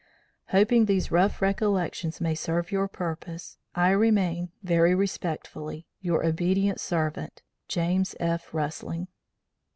"Hoping these rough recollections may serve your purpose, I remain "Very respectfully, "Your obedient servant, "JAMES F. RUSLING."